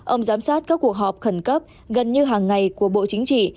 ông giám sát các cuộc họp khẩn cấp gần như hàng ngày của bộ chính trị